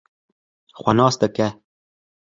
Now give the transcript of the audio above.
xwe nas dike